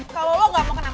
gak usah pegang pegang